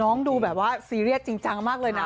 ดูแบบว่าซีเรียสจริงจังมากเลยนะ